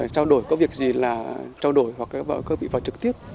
trao đổi có việc gì là trao đổi hoặc các vị vào trực tiếp